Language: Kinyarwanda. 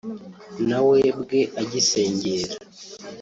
nawe bwe agisengera